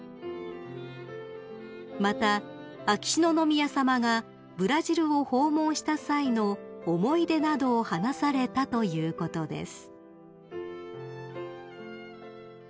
［また秋篠宮さまがブラジルを訪問した際の思い出などを話されたということです］